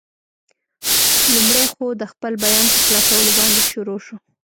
لومړی خو، د خپل بیان په خلاصولو باندې شروع شو.